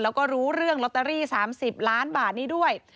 แล้วก็รู้เรื่องลอตเตอรี่๓๐ล้านบาทนี้ด้วย